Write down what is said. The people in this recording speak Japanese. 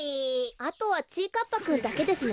あとはちぃかっぱくんだけですね。